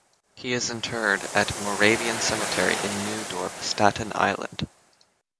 He is interred at Moravian Cemetery in New Dorp, Staten Island.